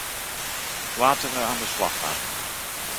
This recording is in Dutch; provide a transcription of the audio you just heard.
Laten we aan de slag gaan!